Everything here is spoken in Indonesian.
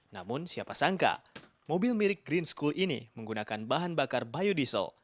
namun siapa sangka mobil mirip green school ini menggunakan bahan bakar biodiesel